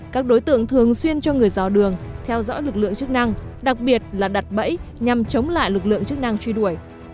các đối tượng thường xuyên cho người rào đường theo dõi lực lượng chức năng đặc biệt là đặt bẫy nhằm chống lại lực lượng chức năng truy đuổi